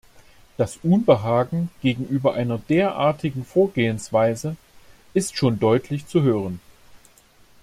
Das Unbehagen gegenüber einer derartigen Vorgehensweise ist schon deutlich zu hören.